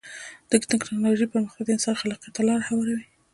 د ټکنالوجۍ پرمختګ د انسان خلاقیت ته لاره هواروي.